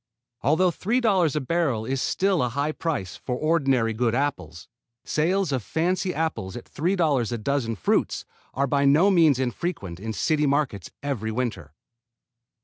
Although $3 a barrel is still a high price for ordinary good apples, sales of fancy apples at $3 a dozen fruits are by no means infrequent in the city markets every winter.